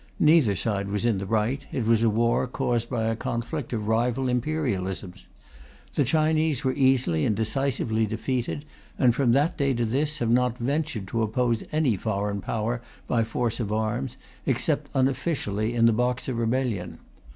Neither side was in the right; it was a war caused by a conflict of rival imperialisms. The Chinese were easily and decisively defeated, and from that day to this have not ventured to oppose any foreign Power by force of arms, except unofficially in the Boxer rebellion.